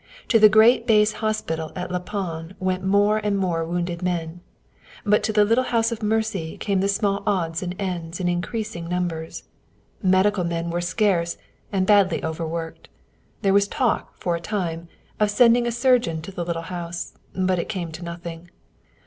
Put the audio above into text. To the great base hospital at La Panne went more and more wounded men. But to the little house of mercy came the small odds and ends in increasing numbers. Medical men were scarce, and badly overworked. There was talk, for a time, of sending a surgeon to the little house, but it came to nothing.